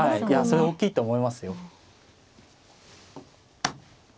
いやそれ大きいと思いますよ。